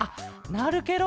なるケロ。